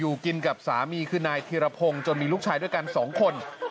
กินกับสามีคือนายธีรพงศ์จนมีลูกชายด้วยกันสองคน